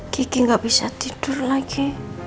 kiki gak bisa tidur lagi